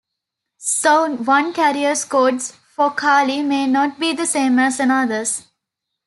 So one carrier's codes for Cali may not be the same as another's.